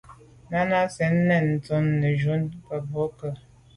Náná cɛ̌d nɛ̂n ntɔ́nə́ nə̀ jún á kə̂ bû kə̂.